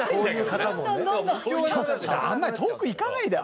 あんま遠くいかないでよ。